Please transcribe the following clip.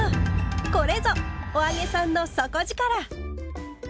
これぞ「“お揚げさん”の底力！」。